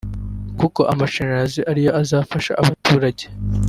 kuko amashanyarazi ariyo azafasha abaturage